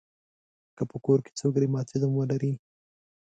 که په کور کې څوک رماتیزم ولري.